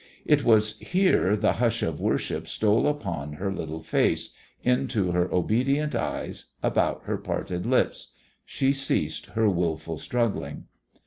It was here the hush of worship stole upon her little face, into her obedient eyes, about her parted lips. She ceased her wilful struggling.